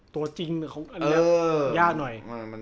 ตัวจริงอันนี้ยากหน่อย